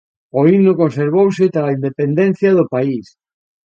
O himno conservouse trala independencia do país.